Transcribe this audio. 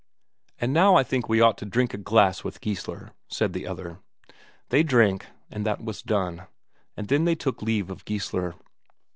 "And now I think we ought to drink a glass with Geissler," said the other. They drank, and that was done. And then they took leave of Geissler.